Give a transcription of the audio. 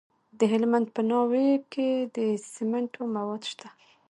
د هلمند په ناوې کې د سمنټو مواد شته.